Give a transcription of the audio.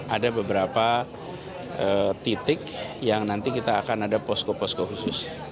ada beberapa titik yang nanti kita akan ada posko posko khusus